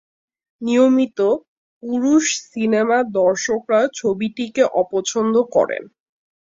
নিয়মিত পুরুষ সিনেমা দর্শকরা ছবিটিকে অপছন্দ করেন।